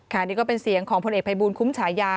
นี่ก็เป็นเสียงของพลเอกภัยบูลคุ้มฉายา